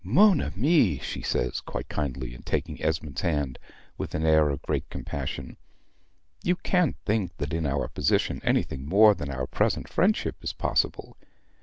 "Mon ami," she says quite kindly, and taking Esmond's hand, with an air of great compassion, "you can't think that in our position anything more than our present friendship is possible.